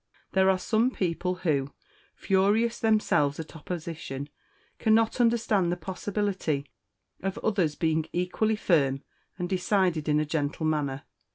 There are some people who, furious themselves at opposition, cannot understand the possibility of others being equally firm and decided in a gentle manner.